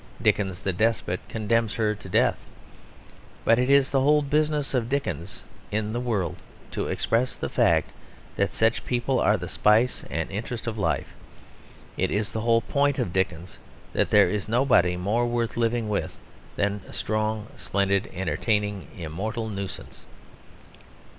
Dickens the despot condemns her to death. But it is the whole business of Dickens in the world to express the fact that such people are the spice and interest of life. It is the whole point of Dickens that there is nobody more worth living with than a strong, splendid, entertaining, immortal nuisance.